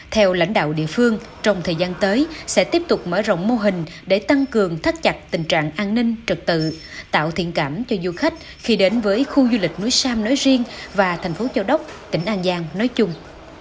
theo lãnh đạo địa phương trong thời gian tới sẽ tiếp tục mở rộng mô hình để tăng cường thắt chặt tình trạng an ninh trật tự tạo thiện cảm cho du khách khi đến với khu du lịch núi sam nói riêng và thành phố châu đốc tỉnh an giang nói chung